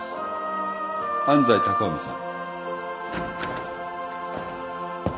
安斎高臣さん。